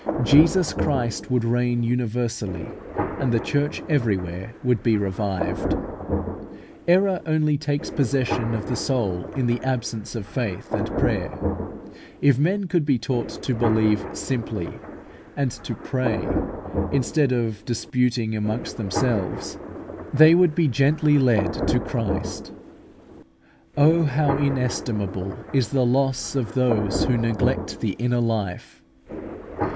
Jesus Christ would reign universally, and the Church everywhere would be revived. Error only takes possession of the soul in the absence of faith and prayer. If men could be taught to believe simply and to pray, instead of disputing amongst themselves, they would be gently led to Christ. Oh, how inestimable is the loss of those who neglect the inner life!